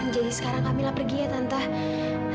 jadi sekarang kamila pergi ya tante